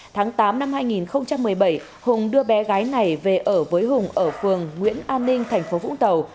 tháng tám năm hai nghìn một mươi bảy hùng đưa bé gái này về ở với hùng ở phường nguyễn an ninh thành phố vũng tàu